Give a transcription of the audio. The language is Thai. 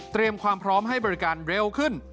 ความพร้อมให้บริการเร็วขึ้น